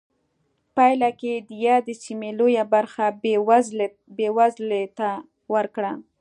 پایله کې یې د یادې سیمې لویه برخه بېوزلۍ ته ورکړه.